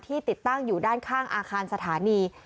ติดตั้งอยู่ด้านข้างอาคารสถานี